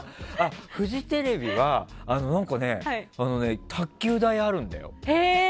フジテレビは卓球台あるんだよ。